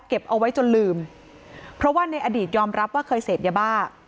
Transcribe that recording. เอาไว้จนลืมเพราะว่าในอดีตยอมรับว่าเคยเสพยาบ้า